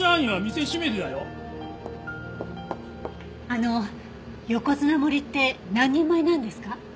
あの横綱盛りって何人前なんですか？